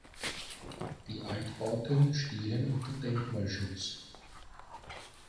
Die Altbauten stehen unter Denkmalschutz.